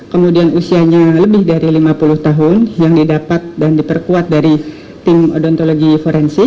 kemudian usianya lebih dari lima puluh tahun yang didapat dan diperkuat dari tim odontologi forensik